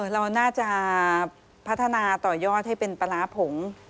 เราน่าจะพัฒนาต่อยอดให้เป็นปลาร้าผง